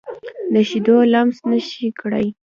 د شیدو لمس نشه کړي